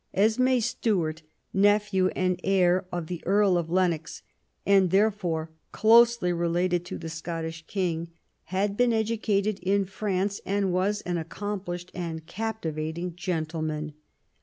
Esm^ Stuart, nephew and heir of the Earl of Lenno>x, arid {herefore closely I> 192 QUEEN ELIZABETH, related to the Scottish King, had been educated in France, and was an accomplished and captivating gentleman.